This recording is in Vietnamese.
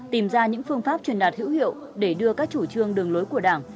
tìm ra những phương pháp truyền đạt hữu hiệu để đưa các chủ trương đường lối của đảng